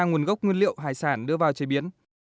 nguồn gốc nguyên liệu hải sản đưa vào chế biến